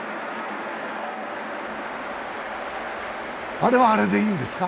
あれはあれでいいんですか？